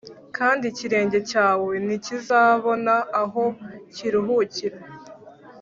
kandi ikirenge cyawe ntikizabona aho kiruhukira.